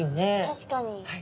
確かに。